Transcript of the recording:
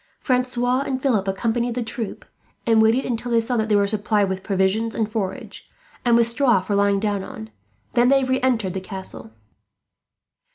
Francois and Philip accompanied the troop, and waited until they saw that they were supplied with provisions and forage, and with straw for lying down on; then they re entered the castle.